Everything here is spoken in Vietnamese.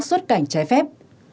người khác xuất cảnh trái phép